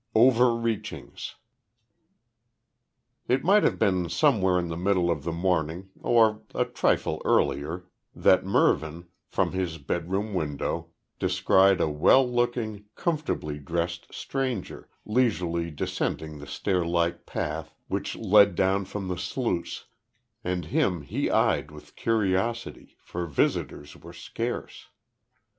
OVERREACHINGS. It might have been somewhere in the middle of the morning, or a trifle earlier, that Mervyn, from his bedroom window descried a well looking, comfortably dressed stranger leisurely descending the stair like path which led down from the sluice, and him he eyed with curiosity, for visitors were scarce.